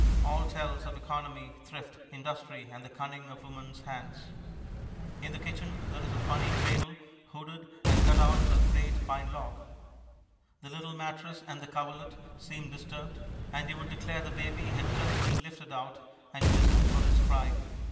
All tells of economy, thrift, industry and the cunning of woman's hands. In the kitchen is a funny cradle, hooded, and cut out of a great pine log. The little mattress and the coverlet seem disturbed, and you would declare the baby had just been lifted out, and you listen for its cry.